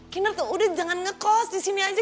kinar tuh udah jangan ngekos disini aja